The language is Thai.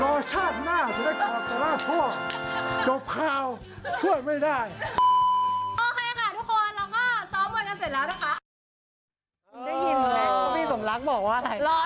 รอชาติหน้า